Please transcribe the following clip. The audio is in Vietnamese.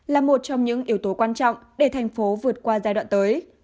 là một trong những yếu tố quan trọng để tp hcm vượt qua giai đoạn tới